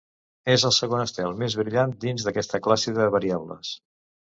És el segon estel més brillant dins d'aquesta classe de variables.